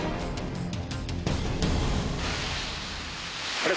あれ？